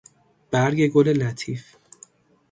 برگ گل لطیف